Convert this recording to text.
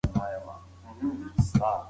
سړی د ماښام لمانځه ته ولاړ.